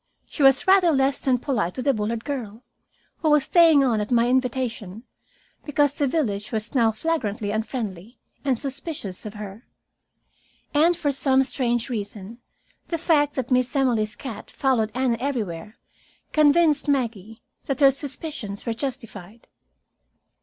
She was rather less than polite to the Bullard girl, who was staying on at my invitation because the village was now flagrantly unfriendly and suspicious of her. And for some strange reason, the fact that Miss Emily's cat followed Anne everywhere convinced Maggie that her suspicions were justified.